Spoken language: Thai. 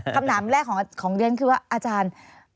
คำถามแรกของเรียนคือว่าอาจารย์